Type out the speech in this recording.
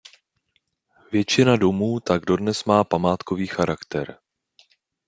Většina domů tak dodnes má památkový charakter.